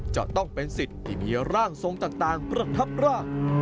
จะต้องเป็นสิทธิ์ที่มีร่างทรงต่างประทับร่าง